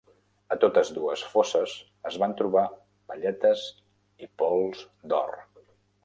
A totes dues fosses es van trobar palletes i pols d'or.